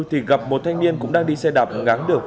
thì gặp một thanh niên cũng đang đi xe đạp ngáng đường